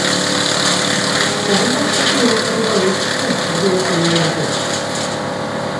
Sarrerak takillan jarriko dituzte ordubete lehenago.